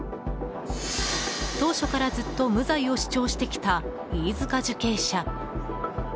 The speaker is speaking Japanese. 当初からずっと無罪を主張してきた飯塚受刑者。